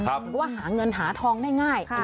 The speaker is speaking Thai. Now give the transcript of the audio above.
หรือว่าหาเงินหาทองได้ง่าย